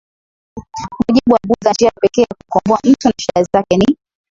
mujibu wa Buddha njia pekee ya kumkomboa mtu na shida zake ni